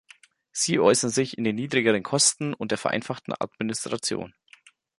Sie äußern sich in den niedrigeren Kosten und in der vereinfachten Administration.